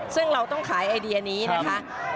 ซึ่งเราต้องขายไอเดียนี้นะคะ